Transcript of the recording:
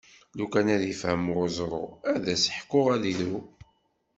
Lukan ad ifhem uẓru, ad as-ḥkuɣ ad iru.